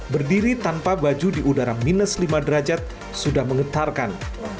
berdiri tanpa baju di udara minus lima derajat sudah mengetarkan